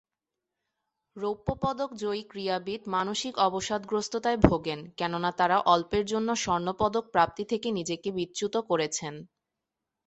রৌপ্যপদক জয়ী ক্রীড়াবিদ মানসিক অবসাদগ্রস্ততায় ভোগেন, কেননা তারা অল্পের জন্য স্বর্ণপদক প্রাপ্তি থেকে নিজেকে বিচ্যুত করেছেন।